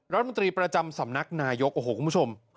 รัฐมนตรีประจำสำนักนายกโอ้โหคุณผู้ชม